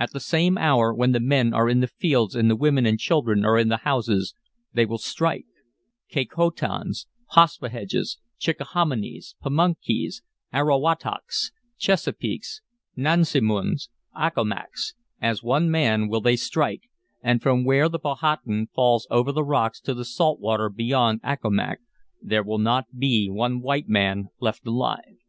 At the same hour, when the men are in the fields and the women and children are in the houses, they will strike, Kecoughtans, Paspaheghs, Chickahominies, Pamunkeys, Arrowhatocks, Chesapeakes, Nansemonds, Accomacs, as one man will they strike; and from where the Powhatan falls over the rocks to the salt water beyond Accomac, there will not be one white man left alive."